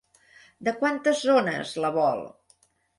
De quantes zones la vol?